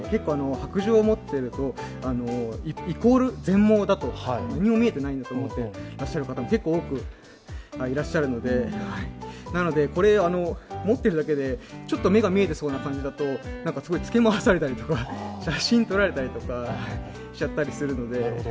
白杖を持ってるとイコール全盲だと、何も見えてないんだと思ってる方も結構いらっしゃるのでなので、持っているだけで、ちょっと目が見えてそうな感じだとつけ回されたり、写真を撮られちゃったりするので。